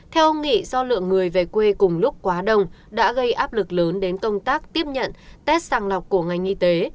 theo ông nghị do lượng người về quê cùng lúc quá đông đã gây áp lực lớn đến công tác tiếp nhận test sàng lọc của ngành y tế